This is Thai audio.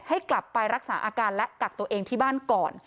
ให้กลับไปรักษาอาการและกักตัวเองที่บ้านก่อน